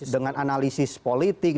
dengan analisis politik